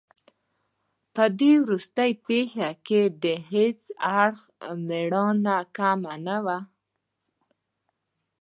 په وروستۍ پېښه کې د هیڅ اړخ مېړانه کمه نه وه.